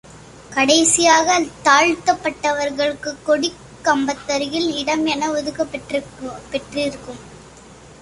கடைசியாகத் தாழ்த்தப் பட்டவர்களுக்குக் கொடிக் கம்பத்தருகில் இடம் என ஒதுக்கப் பெற்றிருக்கும்.